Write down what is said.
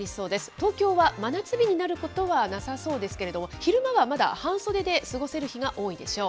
東京は真夏日になることはなさそうですけれども、昼間はまだ半袖で過ごせる日が多いでしょう。